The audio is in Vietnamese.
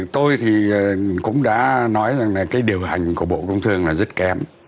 tôi thì cũng đã nói rằng là cái điều hành của bộ công thương là rất kém